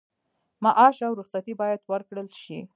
معاش او رخصتي باید ورکړل شي.